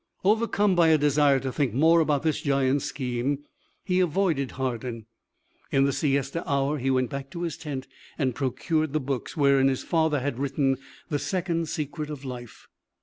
Overcome by a desire to think more about this giants' scheme, he avoided Hardin. In the siesta hour he went back to his tent and procured the books wherein his father had written the second secret of life.